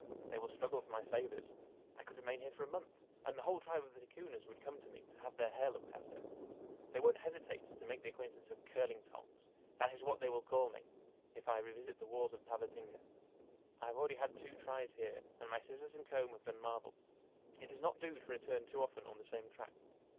They will struggle for my favors. I could remain here for a month, and the whole tribe of the Ticunas would come to me to have their hair looked after! They won't hesitate to make the acquaintance of 'curling tongs' that is what they will call me if I revisit the walls of Tabatinga! I have already had two tries here, and my scissors and comb have done marvels! It does not do to return too often on the same track.